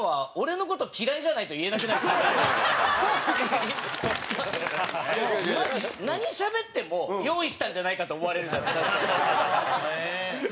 伊藤：何しゃべっても用意したんじゃないかと思われるじゃないですか、もう。